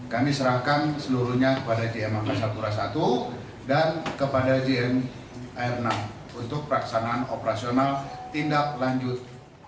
kami serahkan seluruhnya kepada jm angkasa pura i dan kepada gm air enam untuk pelaksanaan operasional tindak lanjut